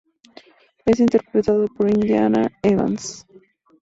Es interpretada por Indiana Evans.